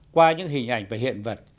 qua những hình ảnh và hiện vật